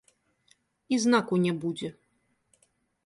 І знаку не будзе.